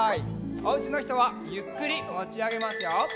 おうちのひとはゆっくりもちあげますよ。